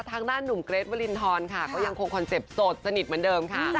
ทางด้านหนุ่มเกรสวรินทร์ทั้งเดียวคงต้องอยากโอ้ยควรเผลินค่ะ